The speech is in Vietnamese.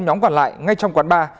nhóm quản lại ngay trong quán bar